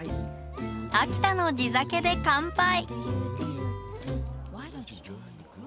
秋田の地酒で乾杯。